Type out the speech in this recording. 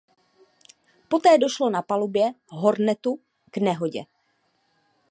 Poté došlo na palubě "Hornetu" k nehodě.